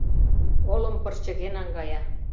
Олым пырчыге наҥгая.